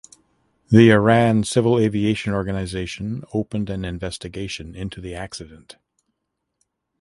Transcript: The Iran Civil Aviation Organization opened an investigation into the accident.